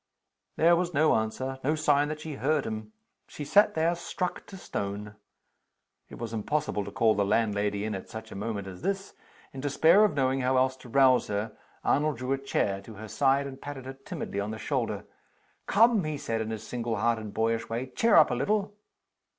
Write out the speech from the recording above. There was no answer; no sign that she heard him; she sat there, struck to stone. It was impossible to call the landlady in at such a moment as this. In despair of knowing how else to rouse her, Arnold drew a chair to her side, and patted her timidly on the shoulder. "Come!" he said, in his single hearted, boyish way. "Cheer up a little!"